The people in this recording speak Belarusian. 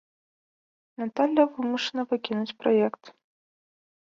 Наталля вымушана пакінуць праект.